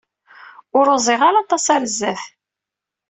Ur uẓiɣ ara aṭas ɣer sdat.